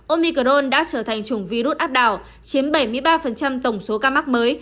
omicron đã trở thành chủng virus áp đảo chiếm bảy mươi ba tổng số ca mắc mới